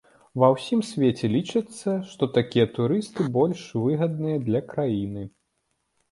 Ва ўсім свеце лічыцца, што такія турысты больш выгадныя для краіны.